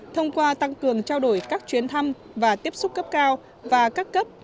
thông qua tăng cường trao đổi các chuyến thăm và tiếp xúc cấp cao và các cấp